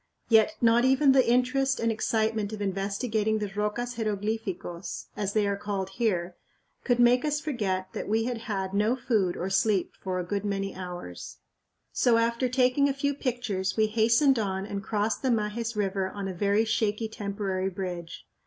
Yet not even the interest and excitement of investigating the "rocas jeroglificos," as they are called here, could make us forget that we had had no food or sleep for a good many hours. So after taking a few pictures we hastened on and crossed the Majes River on a very shaky temporary bridge.